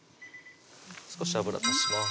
少し油足します